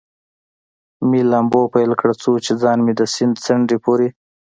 مې لامبو پیل کړ، څو چې ځان مې د سیند څنډې پورې.